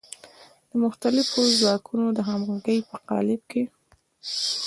د مختلفو ځواکونو د همغږۍ په قالب کې.